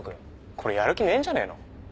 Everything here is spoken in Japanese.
これやる気ねえんじゃねえの？